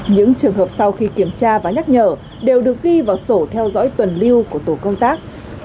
những trường hợp sau khi kiểm tra và nhắc nhở đều được ghi vào sổ theo dõi tuần lưu của tổ công tác